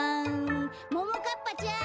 ・ももかっぱちゃん